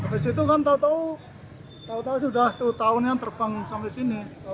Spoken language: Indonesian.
habis itu kan tahu tahu sudah dua tahun yang terbang sampai sini